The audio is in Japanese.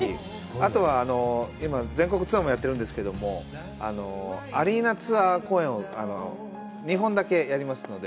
あとは今、全国ツアーもやってるんですけども、アリーナツアー公演を２本だけやりますので、